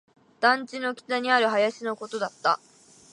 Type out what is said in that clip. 団地の北にある林のことだった